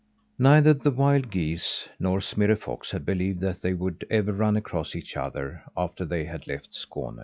Neither the wild geese nor Smirre Fox had believed that they should ever run across each other after they had left Skåne.